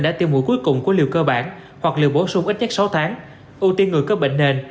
đã tiêm mũi cuối cùng của liều cơ bản hoặc liều bổ sung ít nhất sáu tháng ưu tiên người có bệnh nền